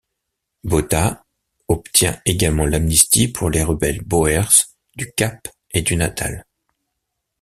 Botha obtient également l'amnistie pour les rebelles boers du Cap et du Natal.